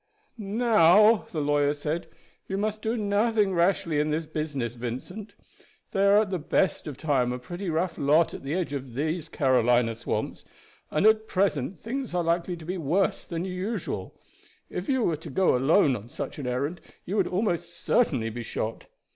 "Now," the lawyer said, "you must do nothing rashly in this business, Vincent. They are at the best of time a pretty rough lot at the edge of these Carolina swamps, and at present things are likely to be worse than usual. If you were to go alone on such an errand you would almost certainly be shot.